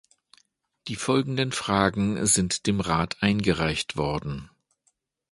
Die folgenden Fragen sind dem Rat eingereicht worden.